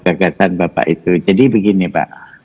gagasan bapak itu jadi begini pak